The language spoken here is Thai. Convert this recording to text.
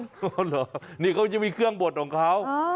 หรอนี่เขาจะมีเครื่องบดของเขา